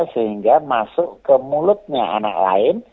sehingga masuk ke mulutnya anak lain